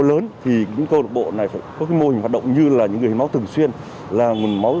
lớn thì những câu bộ này có cái mô hình hoạt động như là những người nó thường xuyên là nguồn máu